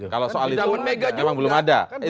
kalau soal itu memang belum ada